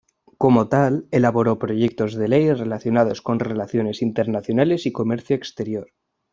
Como tal, elaboró proyectos de ley relacionados con relaciones internacionales y comercio exterior.